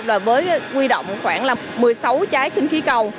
và với huy động khoảng là một mươi sáu trái khinh khí cầu